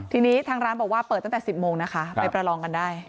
ทีนี้ทางร้านบอกว่าเปิดตั้งแต่๑๐โมงนะคะไปประลองกันได้